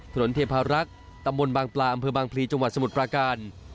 เทพารักษ์ตำบลบางปลาอำเภอบางพลีจังหวัดสมุทรปราการ